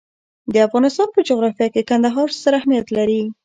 د افغانستان په جغرافیه کې کندهار ستر اهمیت لري.